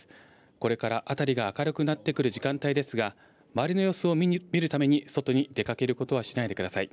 これから辺りが明るくなってくる時間帯ですが、周りの様子を見るために外に出かけることはしないでください。